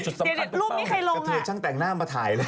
รูปนี้ใครลงอ่ะกระเทียงช่างแต่งหน้ามาถ่ายเลย